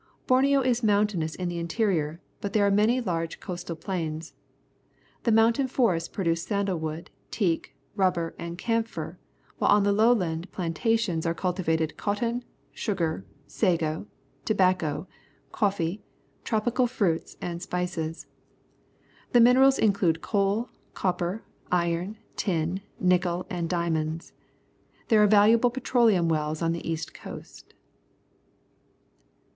Borneo is mountainous in the interior, but there are many large coastal plains. The mountain forests produce sandalwood, teak, rubber, and camphor, while on the lowland plantations are cultivated cotton, sugar, sago, tobacco, coffee, tropical fruits, and spices. The minerals include coal, copper, iron, tin, nickel, and diamonds. There are valuable petroleum wells on the east coast.